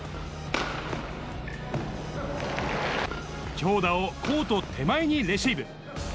強打をコート手前にレシーブ。